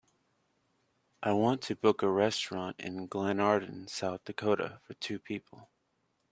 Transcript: I want to book a restaurant in Glenarden South Dakota for two people.